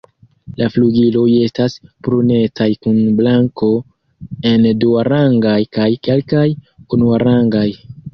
La flugiloj estas brunecaj kun blanko en duarangaj kaj kelkaj unuarangaj.